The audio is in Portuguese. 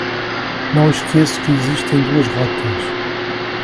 Não esqueça que existem duas rotas